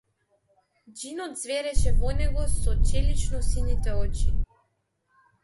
Џинот ѕвереше во него со челичносините очи.